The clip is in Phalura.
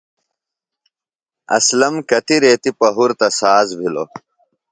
اسلم کتیۡ ریتی پہُرتہ ساز بِھلوۡ۔